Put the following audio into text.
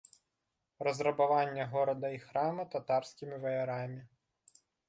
Разрабаванне горада і храма татарскімі ваярамі.